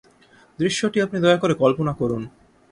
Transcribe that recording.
দৃশ্যটি আপনি দয়া করে কল্পনা করুন।